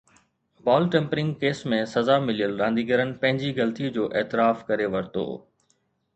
بال tampering case ۾ سزا مليل رانديگرن پنهنجي غلطي جو اعتراف ڪري ورتو